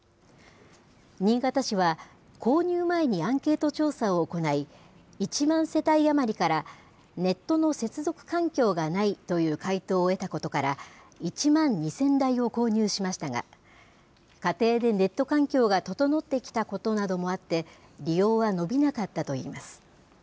新潟市は、購入前にアンケート調査を行い、１万世帯余りからネットの接続環境がないという回答を得たことから、１万２０００台を購入しましたが、家庭でネット環境が整ってきたことなどもあって、利用は伸びなかったといいます。